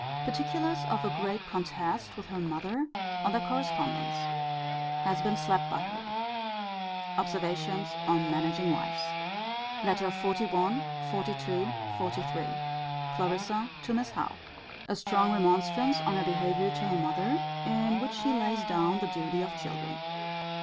Particulars of a great contest with her mother, on their correspondence. Has been slapt by her. Observations on managing wives. LETTER XLI. XLII. XLIII. Clarissa to Miss Howe. A strong remonstrance on her behaviour to her mother; in which she lays down the duty of children.